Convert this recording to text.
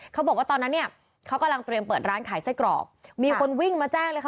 เขาบอกว่าตอนนั้นเนี่ยเขากำลังเตรียมเปิดร้านขายไส้กรอกมีคนวิ่งมาแจ้งเลยค่ะ